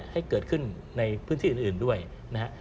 ให้เกิดขึ้นในพื้นที่อื่นด้วยนะฮะ